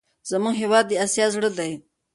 زموږ هېواد د اسیا زړه دی.